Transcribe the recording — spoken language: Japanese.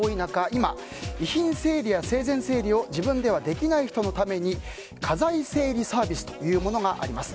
今、遺品整理や生前整理を自分ではできない人のために家財整理サービスというものがあります。